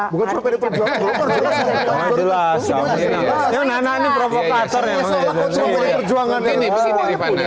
bukan pd perjuangan bapak ibu